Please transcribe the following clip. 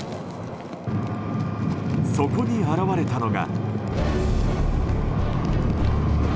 そこに現れたのが。